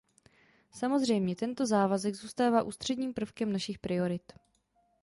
Samozřejmě, tento závazek zůstává ústředním prvkem našich priorit.